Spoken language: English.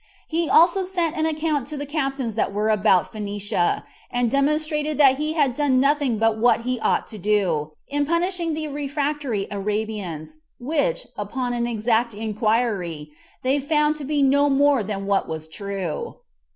He also sent an account to the captains that were about Phoenicia, and demonstrated that he had done nothing but what he ought to do, in punishing the refractory Arabians, which, upon an exact inquiry, they found to be no more than what was true.